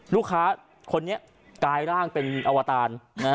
ลูกค้าคนนี้กายร่างเป็นอวตาร